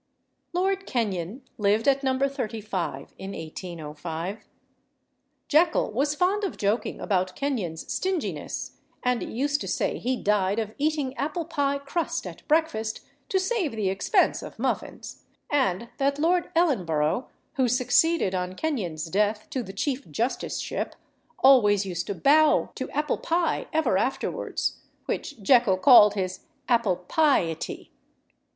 Lord Kenyon lived at No. 35 in 1805. Jekyll was fond of joking about Kenyon's stinginess, and used to say he died of eating apple pie crust at breakfast to save the expense of muffins; and that Lord Ellenborough, who succeeded on Kenyon's death to the Chief Justiceship, always used to bow to apple pie ever afterwards which Jekyll called his "apple pie ety."